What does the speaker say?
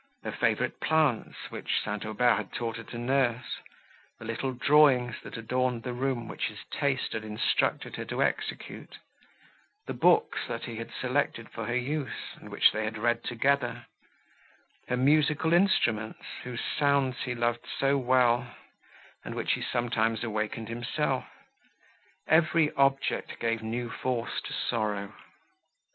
Her favourite plants, which St. Aubert had taught her to nurse; the little drawings, that adorned the room, which his taste had instructed her to execute; the books, that he had selected for her use, and which they had read together; her musical instruments, whose sounds he loved so well, and which he sometimes awakened himself—every object gave new force to sorrow.